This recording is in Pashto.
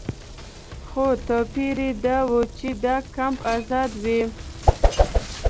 خو توپیر یې دا و چې دا کمپ آزاد و.